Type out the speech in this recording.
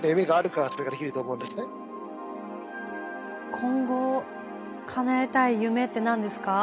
今後かなえたい夢って何ですか？